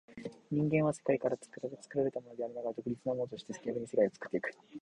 人間は世界から作られ、作られたものでありながら独立なものとして、逆に世界を作ってゆく。